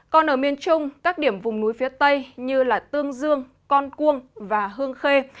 còn ở miền trung các điểm vùng núi phía tây như tương dương con cuông và hương khê